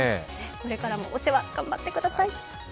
これからもお世話、頑張ってください。